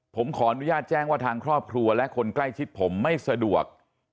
ผมขออนุญาตแจ้งว่าทางครอบครัวและคนใกล้ชิดผมไม่สะดวก